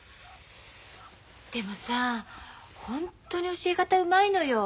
でもさホントに教え方うまいのよ。